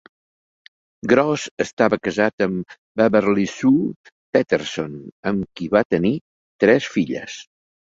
Gross estava casat amb Beverly Sue Peterson, amb qui va tenir tres filles.